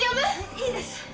いいです。